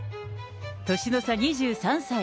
年の差２３歳。